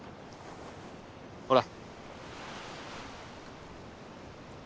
ほら。